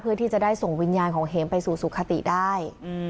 เพื่อที่จะได้ส่งวิญญาณของเห็มไปสู่สุขติได้